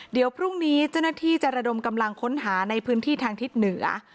เดี๋ยวพรุ่งนี้เจ้าหน้าที่จะระดมกำลังค้นหาในพื้นที่ทางทิศเหนือ